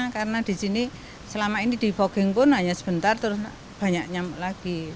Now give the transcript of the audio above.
karena di sini selama ini di bogeng pun hanya sebentar terus banyak nyamuk lagi